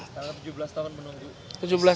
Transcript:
tujuh belas tahun menunggu